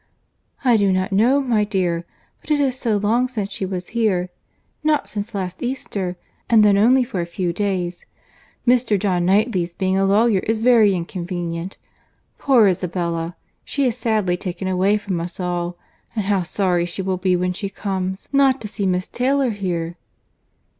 "I do not know, my dear—but it is so long since she was here!—not since last Easter, and then only for a few days.—Mr. John Knightley's being a lawyer is very inconvenient.—Poor Isabella!—she is sadly taken away from us all!—and how sorry she will be when she comes, not to see Miss Taylor here!"